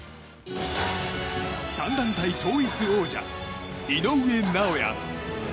３団体統一王者、井上尚弥。